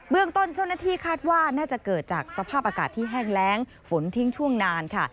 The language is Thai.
เรื่องต้นเจ้าหน้าที่คาดว่าน่าจะเกิดจากสภาพอากาศที่แห้งแรงฝนทิ้งช่วงนานค่ะ